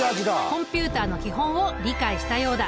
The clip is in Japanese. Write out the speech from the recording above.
コンピュータの基本を理解したようだ。